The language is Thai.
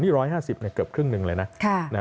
นี่๑๕๐เกือบครึ่งหนึ่งเลยนะ